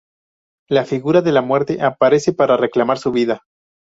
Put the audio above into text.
La figura de la Muerte aparece para reclamar su vida.